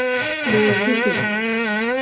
Biiziti.